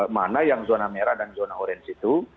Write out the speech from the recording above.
mana yang zona merah dan zona orange itu